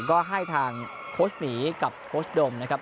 ก็ให้ทางโค้ชหมีกับโค้ชดมนะครับ